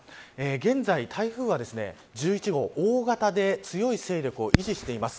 現在、台風は１１号大型で強い勢力を維持しています。